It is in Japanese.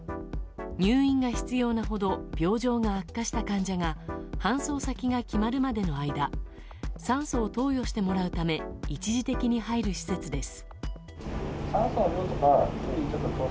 入院が必要なほど病状が悪化した患者が搬送先が決まるまでの間酸素を投与してもらうため一時的に入る施設です。